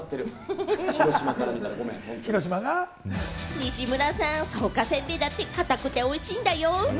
西村さん、草加せんべいだって硬くておいしいんだよ？